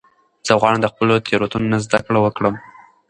زه غواړم د خپلو تیروتنو نه زده کړه وکړم.